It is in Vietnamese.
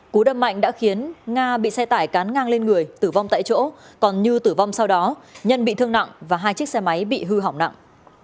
cú đâm mạnh đã khiến nga bị xe tải cán ngang lên người tử vong tại chỗ còn như tử vong sau đó nhân bị thương nặng và hai chiếc xe máy bị hư hỏng nặng